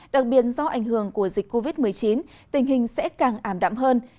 đặc biệt do ảnh hưởng của dịch covid một mươi chín tình hình sẽ càng ảm đạm hơn